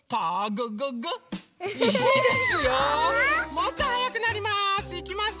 もっとはやくなります。